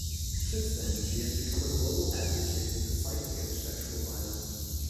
Since then, she has become a global advocate in the fight against sexual violence.